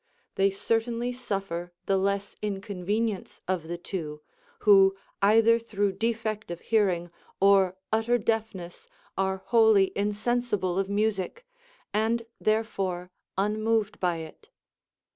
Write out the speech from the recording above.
They certainly suffer the less inconvenience of the two, Avho either through defect of hearing or utter deafness are Avholly insensible of music, and therefore unmoved by it.